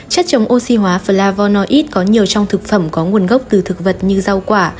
chất chống oxy hóa flavonoid có nhiều trong thực phẩm có nguồn gốc từ thực vật như rau quả